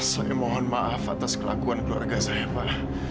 saya mohon maaf atas kelakuan keluarga saya pak